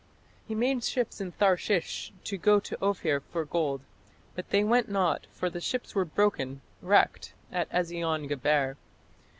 "He made ships of Tharshish to go to Ophir for gold; but they went not; for the ships were broken (wrecked) at Ezion geber."